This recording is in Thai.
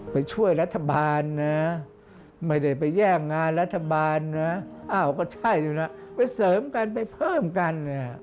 ไปช่วยรัฐบาลนะไม่ได้ไปแย่งงานรัฐบาลนะอ้าวก็ใช่ดูนะไปเสริมกันไปเพิ่มกันเนี่ย